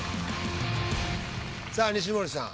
さあ西森さん。